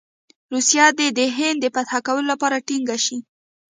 روسیه دې د هند د فتح کولو لپاره ټینګه شي.